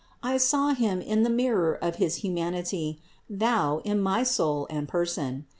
I saw Him in the mirror of his humanity, thou in my soul and person.